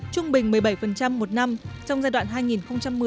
trung bình một mươi bảy một năm trong giai đoạn hai nghìn một mươi hai nghìn một mươi sáu